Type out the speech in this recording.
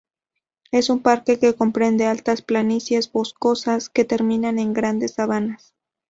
Es un parque que comprende altas planicies boscosas, que terminan en grandes sabanas.